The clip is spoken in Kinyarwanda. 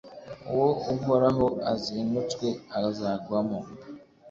uwo uhoraho azinutswe, azagwamo